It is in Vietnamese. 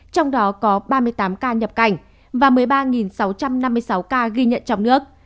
trong đó có ba mươi tám ca nhập cảnh và một mươi ba sáu trăm năm mươi sáu ca ghi nhận trong nước